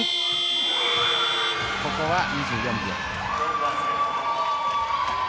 ここは２４秒。